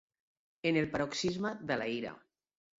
En el paroxisme de la ira.